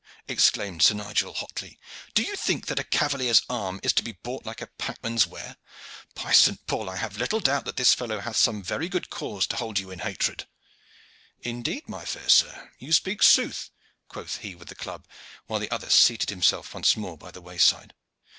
exclaimed Sir Nigel hotly. "Do you think that a cavalier's arm is to be bought like a packman's ware. By St. Paul! I have little doubt that this fellow hath some very good cause to hold you in hatred." "Indeed, my fair sir, you speak sooth," quoth he with the club, while the other seated himself once more by the wayside.